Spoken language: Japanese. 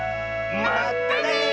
まったね！